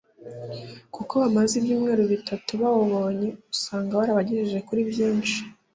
kuko bamaze ibyumweru bitatu bawubonye usanga warabagejeje kuri byinshi